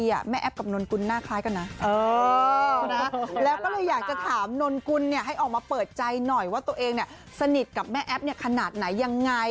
แล้วก็เลยอยากจะถามนนกุลให้ออกมาเปิดใจหน่อยว่าตัวเองสนิทกับแม่แอฟขนาดไหนยังไง